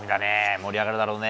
盛り上がるだろうね。